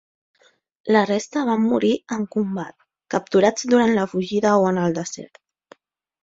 La resta van morir en combat, capturats durant la fugida o en el desert.